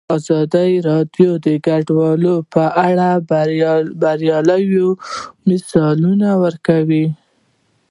ازادي راډیو د کډوال په اړه د بریاوو مثالونه ورکړي.